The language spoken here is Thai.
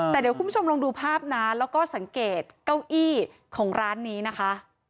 แต่เดี๋ยวคุณผู้ชมลองดูภาพนะแล้วก็สังเกตเก้าอี้ของร้านนี้นะคะ